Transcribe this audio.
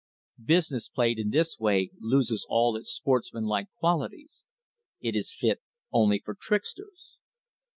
Business played in this way loses all its sportsmanlike qualities. It is fit only for tricksters.